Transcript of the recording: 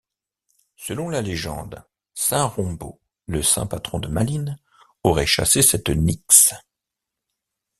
Selon la légende, saint Rombaut, le saint patron de Malines, aurait chassé cette nixe.